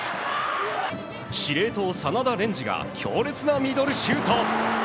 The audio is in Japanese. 司令塔、真田蓮司が強烈なミドルシュート。